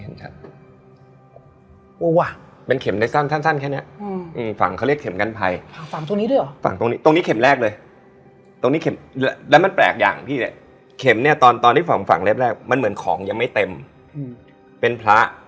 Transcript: ลืมตาคือไม่มีคนเลยในห้อง